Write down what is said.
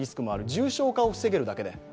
重症化を防げるだけで。